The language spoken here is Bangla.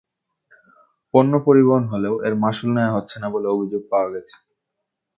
পন্য পরিবহন হলেও এর মাশুল নেওয়া হচ্ছে না বলে অভিযোগ পাওয়া গেছে।